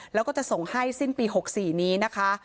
แล้วก็จะส่งให้สิ้นปี๖๔นี้นะคะ